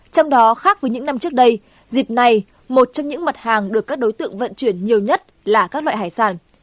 trong đó khác với những năm trước đây dịp này một trong những mặt hàng được các đối tượng vận chuyển nhiều nhất là các loại hải sản